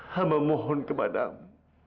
hamba mohon kepadamu